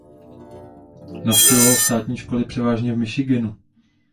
Navštěvoval státní školy převážně v Michiganu.